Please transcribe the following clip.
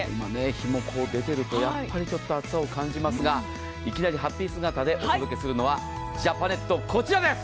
日も出ていると暑さを感じますがいきなりはっぴ姿でお届けするのはジャパネット、こちらです。